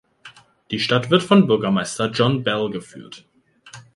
Die Stadt wird von Bürgermeister John Bell geführt.